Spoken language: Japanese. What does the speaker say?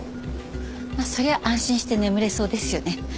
まあそりゃ安心して眠れそうですよね。